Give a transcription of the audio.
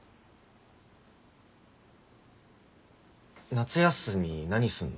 夏休み何すんの？